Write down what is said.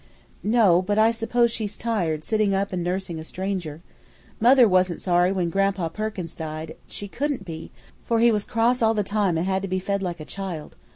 "No, but I suppose she's tired sitting up and nursing a stranger. Mother wasn't sorry when Gran'pa Perkins died; she couldn't be, for he was cross all the time and had to be fed like a child.